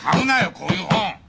こういう本。